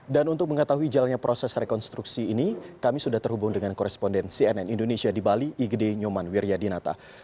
dan untuk mengetahui jalannya proses rekonstruksi ini kami sudah terhubung dengan koresponden cnn indonesia di bali igde nyoman wiryadinata